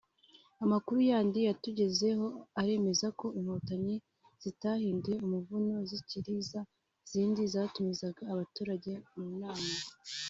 Amakuru yandi yatugezeho aremeza ko Inkotanyi zitahinduye umuvuno zikiri za zindi zatumizaga abaturage mu nama